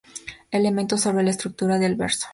Elementos sobre la estructura del verso.